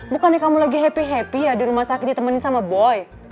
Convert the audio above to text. bukannya kamu lagi happy happy ada rumah sakit ditemenin sama boy